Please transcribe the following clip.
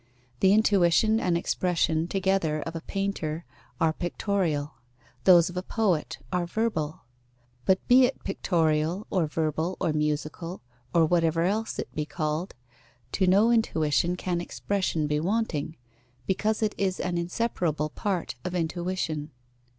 The intuition and expression together of a painter are pictorial; those of a poet are verbal. But be it pictorial, or verbal, or musical, or whatever else it be called, to no intuition can expression be wanting, because it is an inseparable part of intuition.